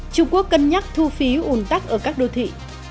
trung quốc cân nhắc thu phí ủn tắc ở các đô thị